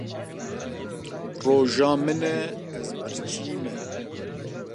Roja min e ez birçî me.